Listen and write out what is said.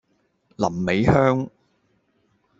臨尾香